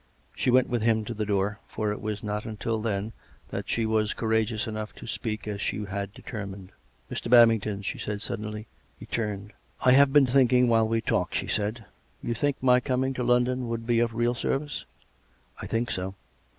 She went with him to the door, for it was not until then that she was courageous enough to speak as she had de termined. " Mr. Babington," she said suddenly. He turned. " I have been thinking while we talked," she said. " You think my coming to London would be of real service? "" I think so.